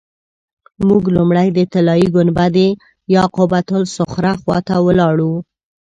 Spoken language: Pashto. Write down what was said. موږ لومړی د طلایي ګنبدې یا قبة الصخره خوا ته ولاړو.